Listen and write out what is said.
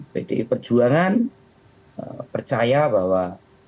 pdip perjuangan percaya bahwa